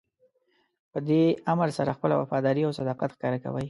په دې امر سره خپله وفاداري او صداقت ښکاره کوئ.